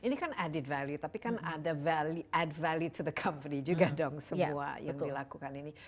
ini kan added value tapi kan ada ad value to the company juga dong semua yang dilakukan ini